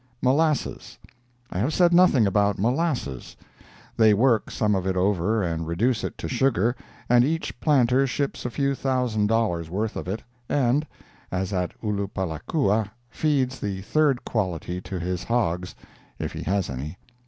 MOLASSES I have said nothing about molasses. They work some of it over and reduce it to sugar, and each planter ships a few thousand dollars worth of it, and (as at Ulupalakua) feeds the third quality to his hogs, if he has any.